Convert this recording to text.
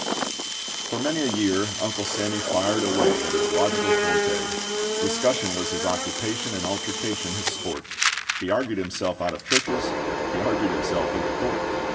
For many a year Uncle Sammy Fired away at his logical forte: Discussion was his occupation, And altercation his sport; He argued himself out of churches, he argued himself into court.